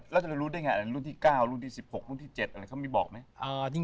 แล้วจะรู้ได้ไงรุ่นที่๙รุ่นที่๑๖รุ่นที่๗อะไรเขามีบอกไหม